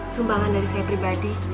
sumbangan dari saya pribadi